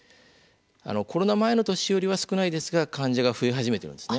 コロナ前の年よりは少ないですが患者が増え始めているんですね。